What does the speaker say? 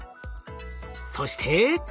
そして。